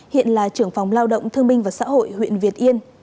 hiện là trưởng phòng lao động thương minh và xã hội huyện việt yên